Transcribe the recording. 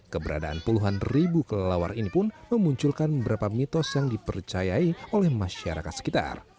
keberadaan puluhan ribu kelelawar ini pun memunculkan beberapa mitos yang dipercayai oleh masyarakat sekitar